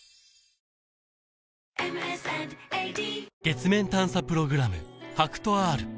月面探査プログラム